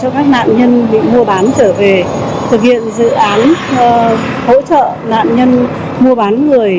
nạn nhân bị mua bán trở về thực hiện dự án hỗ trợ nạn nhân mua bán người